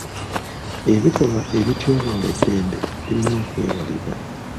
Ebikolwa ebityoboola eddembe birina okwewalibwa.